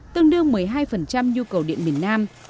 tương đương một mươi hai nhu cầu điện miền nam